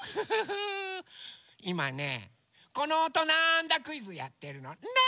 いまねこのおとなんだクイズやってるのね。